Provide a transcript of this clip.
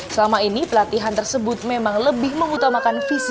selama ini pelatihan tersebut memang lebih mengutamakan visi